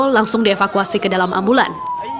langsung dievakuasi ke dalam ambulan